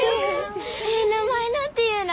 ねえ名前なんていうの？